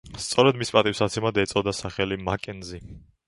სწორედ მის პატივსაცემად ეწოდა სახელი მაკენზი.